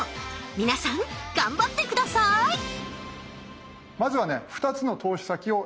皆さん頑張って下さいまずはね２つの投資先を選んで下さい。